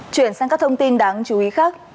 chuyển sang các thông tin đáng chú ý khác